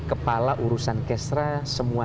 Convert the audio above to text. kepala urusan kesra semua